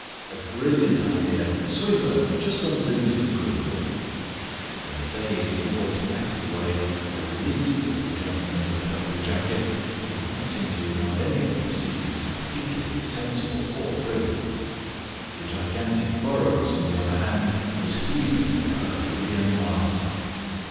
"A brilliant idea. Swinburne, just undo Mr Greenwood." In a dazed and automatic way I released the little gentleman in the purple jacket, who did not seem to regard any of the proceedings as particularly sensible or brilliant. The gigantic Burrows, on the other hand, was heaving with herculean laughter.